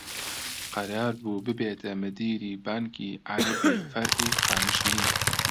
قەرار بوو ببێتە مدیری بانکی عەرەبی فەرعی قامیشلی